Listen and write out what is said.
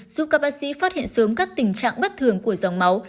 giúp các bác sĩ phát hiện sớm các tình trạng bất thường của dòng máu